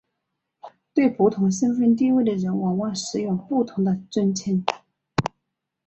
对不同身份地位的人往往使用不同的尊称。